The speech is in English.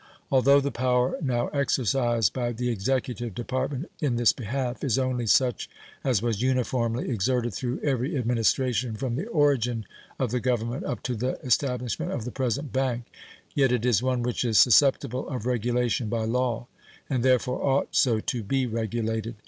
Although the power now exercised by the executive department in this behalf is only such as was uniformly exerted through every Administration from the origin of the Government up to the establishment of the present bank, yet it is one which is susceptible of regulation by law, and therefore ought so to be regulated.